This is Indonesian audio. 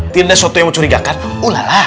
tindas suatu yang mencurigakan ulalah